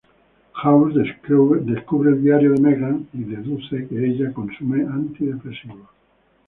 House descubre el diario de Megan y deduce que ella consume antidepresivos.